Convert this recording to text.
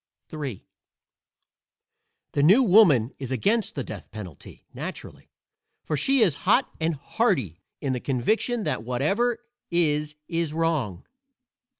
III The New Woman is against the death penalty, naturally, for she is hot and hardy in the conviction that whatever is is wrong.